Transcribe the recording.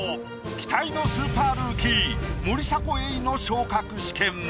期待のスーパールーキー森迫永依の昇格試験。